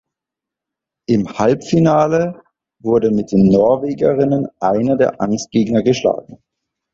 Im Halbfinale wurde mit den Norwegerinnen einer der Angstgegner geschlagen.